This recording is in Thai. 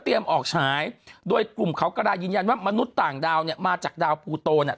ออกฉายโดยกลุ่มเขากระดายืนยันว่ามนุษย์ต่างดาวเนี่ยมาจากดาวภูโตเนี่ย